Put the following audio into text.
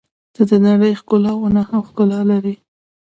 • ته د نړۍ ښکلاوې نه هم ښکلا لرې.